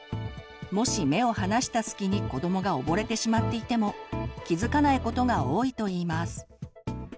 もし目を離した隙に子どもが溺れてしまっていても気付かないことが多いといいます。